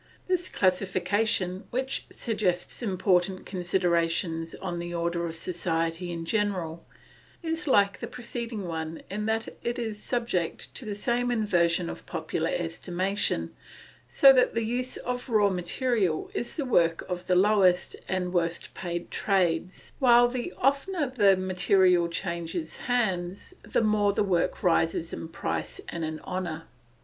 This classification, which suggests important considerations on the order of society in general, is like the preceding one in that it is subject to the same inversion in popular estimation, so that the use of raw material is the work of the lowest and worst paid trades, while the oftener the material changes hands, the more the work rises in price and in honour.